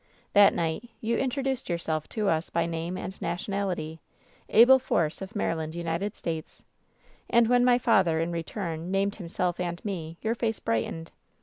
"That night you introduced yourself to us by name "v ^ and nationality — ^Abel Force, of Maryland, United ^.7 States ; and when my father, in return, named himself and me your face brightened.